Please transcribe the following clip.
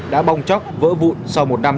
đã bong chóc vỡ vụn sau một năm